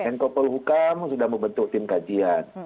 menko polhukam sudah membentuk tim kajian